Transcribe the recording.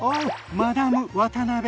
マダム渡辺。